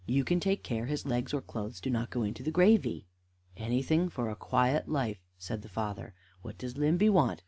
You can take care his legs or clothes do not go into the gravy." "Anything for a quiet life," said the father. "What does Limby want?